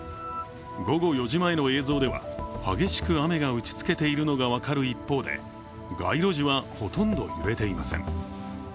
午後４時前の映像では激しく雨が打ちつけているのが分かる一方で街路樹はほとんど濡れていません。